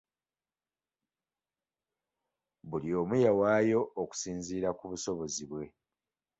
Buli omu yawaayo okusinziira ku busobozi bwe.